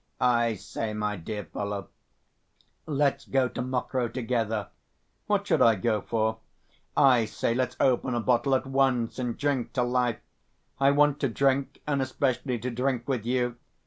"I say, my dear fellow, let's go to Mokroe together." "What should I go for?" "I say, let's open a bottle at once, and drink to life! I want to drink, and especially to drink with you.